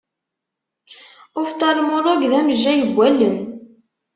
Uftalmolog d amejjay n wallen.